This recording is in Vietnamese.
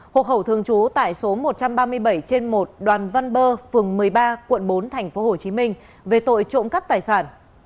hộ khẩu thường trú tại số một trăm ba mươi bảy trên một đoàn văn bơ phường một mươi ba quận bốn tp hcm về tội trộm cắp tài sản